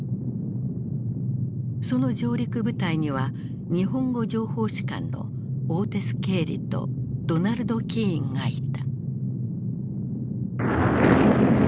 その上陸部隊には日本語情報士官のオーテス・ケーリとドナルド・キーンがいた。